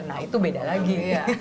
nah itu beda lagi